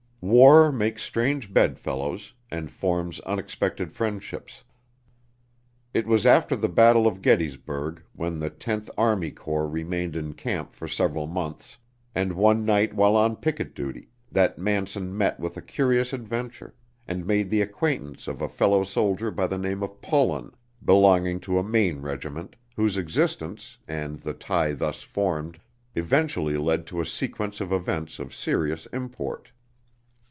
War makes strange bedfellows, and forms unexpected friendships. It was after the battle of Gettysburg, when the Tenth Army Corps remained in camp for several months, and one night while on picket duty, that Manson met with a curious adventure, and made the acquaintance of a fellow soldier by the name of Pullen, belonging to a Maine regiment, whose existence, and the tie thus formed, eventually led to a sequence of events of serious import.